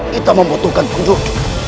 kita membutuhkan kudut